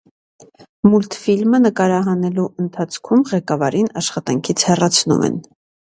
Մուլտֆիլմը նկարահանելու ընթացքում ղեկավարին աշխատանքից հեռացնում են։